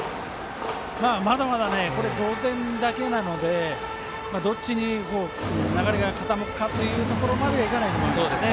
まだまだ、同点だけなのでどっちに流れが傾くかというところまでいかないと思いますね。